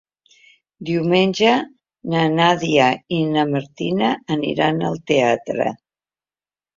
Diumenge na Nàdia i na Martina aniran al teatre.